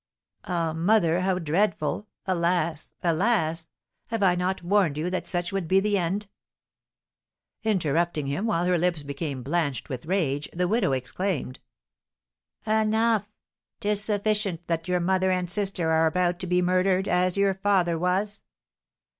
"Ah, mother, how dreadful! Alas, alas! Have I not warned you that such would be the end " Interrupting him, while her lips became blanched with rage, the widow exclaimed: "Enough! 'Tis sufficient that your mother and sister are about to be murdered, as your father was!"